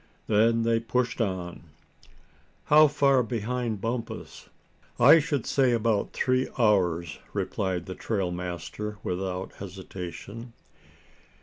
Then they pushed on." "How far behind Bumpus?" "I should say about three hours," replied the trail master, without hesitation.